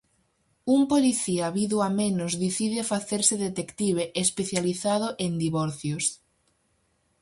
Un policía vido a menos dicide facerse detective especializado en divorcios.